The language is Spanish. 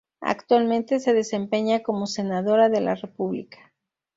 Actualmente se desempeña como senadora de la República.